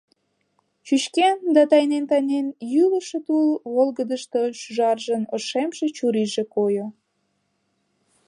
Чӱчкен да тайнен-тайнен йӱлышӧ тул волгыдышто шӱжаржын ошемше чурийже койо.